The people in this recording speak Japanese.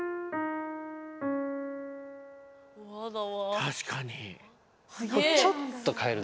確かに。